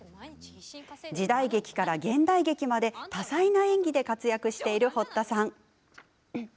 時代劇から現代劇まで、多彩な演技で活躍している堀田さん。